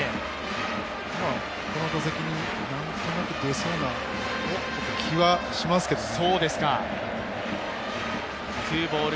この打席に出そうな気はしますけどね。